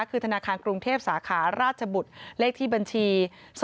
คือธนาคารกรุงเทพสาขาราชบุตรเลขที่บัญชี๒๕๖